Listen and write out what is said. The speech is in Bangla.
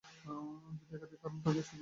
যদি একাধিক কারণ থেকে থাকে, সেগুলোই বা কী?